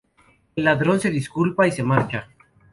El ladrón se disculpa y se marcha.